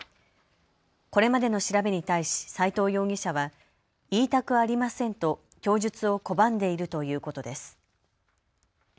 これまでの調べに対し斎藤容疑者は言いたくありませんと供述を拒んでいるということです。